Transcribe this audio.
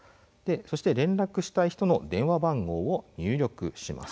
連絡したい人の電話番号を入力します。